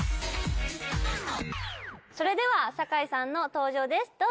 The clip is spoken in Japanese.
それでは酒井さんの登場です。